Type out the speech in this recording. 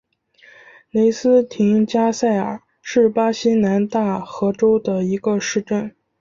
雷斯廷加塞卡是巴西南大河州的一个市镇。